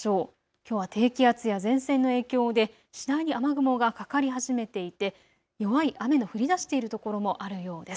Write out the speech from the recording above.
きょうは低気圧や前線の影響で次第に雨雲がかかり始めていて弱い雨の降りだしているところもあるようです。